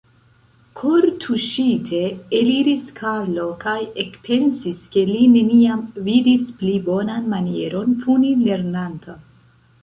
Kortuŝite eliris Karlo kaj ekpensis, ke li neniam vidis pli bonan manieron puni lernanton.